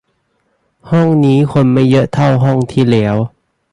ห้องนี้คนไม่เยอะเท่าห้องที่แล้ว